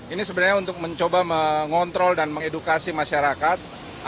ini sebenarnya untuk mencoba mengontrol dan mengedukasi masyarakat